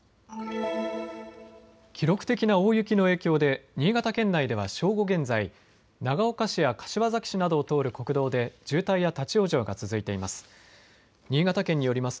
記録的な大雪の影響で新潟県内では正午現在、長岡市や柏崎市などを通る国道で渋滞や立往生が続いています。